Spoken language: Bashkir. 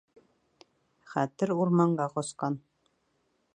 ХӘТЕР УРМАНҒА ҠАСҠАН